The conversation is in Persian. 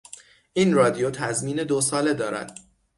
این رادیو تضمین دو ساله دارد.